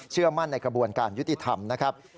เชื่อมั่นในกระบวนการยุติธรรมนะครับ